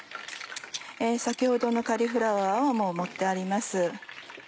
先ほどのカリフラワーはもう盛ってあります。